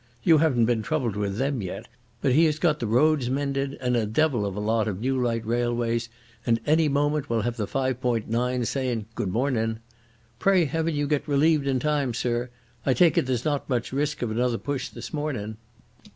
You haven't been troubled with them yet, but he has got the roads mended and the devil of a lot of new light railways, and any moment we'll have the five point nines sayin' Good mornin'.... Pray Heaven you get relieved in time, sir. I take it there's not much risk of another push this mornin'?"